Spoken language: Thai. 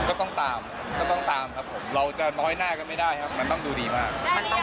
ก็ต้องตามก็ต้องตามครับผมเราจะน้อยหน้ากันไม่ได้ครับมันต้องดูดีมาก